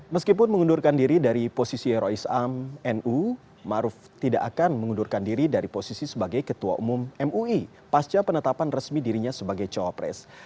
meskipun mengundurkan diri dari posisi rois am nu maruf tidak akan mengundurkan diri dari posisi sebagai ketua umum mui pasca penetapan resmi dirinya sebagai cawapres